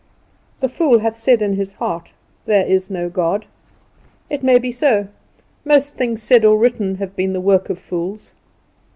"The fool hath said in his heart, There is no God." It may be so. Most things said or written have been the work of fools.